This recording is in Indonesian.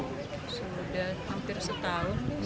sudah hampir setahun deh